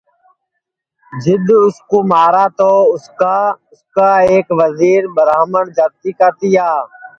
جِدؔ اُس کُو مارہ تو اُس کا اُس کا ایک وزیر ٻرہامٹؔ جاتی کا تیا